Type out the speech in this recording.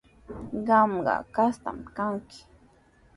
Qamqa kastaami kanki.